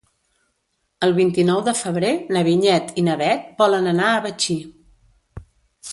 El vint-i-nou de febrer na Vinyet i na Bet volen anar a Betxí.